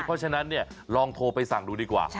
เพราะฉะนั้นเนี่ยลองโทรไปสั่งดูดีกว่า